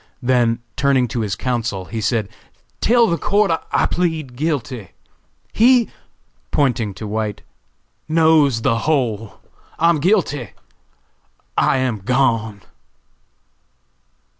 Then, turning to his counsel, he said: "Tell the court I plead guilty. He," pointing to White, "knows the whole. I am guilty!! I am gone!!!"